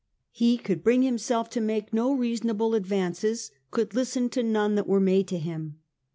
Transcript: He could bring himself to make no reasonable advances, could listen to none that were made to him.